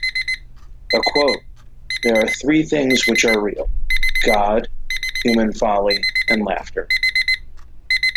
A quote: There are three things which are real: God, human folly, and laughter.